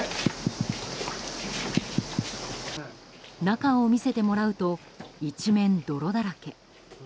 中を見せてもらうと一面、泥だらけ。